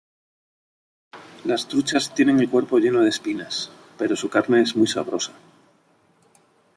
Las truchas tienen el cuerpo lleno de espinas, pero su carne es muy sabrosa.